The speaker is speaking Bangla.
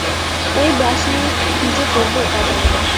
ঐ ব্রাশ নিয়ে কি যে করব, তা জনি না।